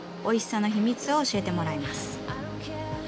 おいしさの秘密を教えてもらいます。